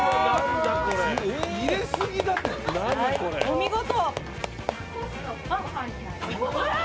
お見事。